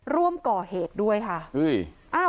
ร่วมก่อเหตุด้วยค่ะ